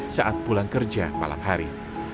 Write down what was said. saat pulang kerja malam hari